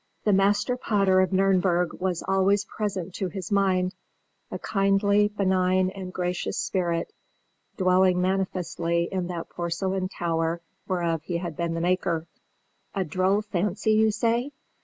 The master potter of Nürnberg was always present to his mind, a kindly, benign, and gracious spirit, dwelling manifestly in that porcelain tower whereof he had been the maker. A droll fancy, you say?